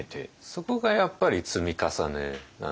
そこがやっぱり積み重ねなんですよね。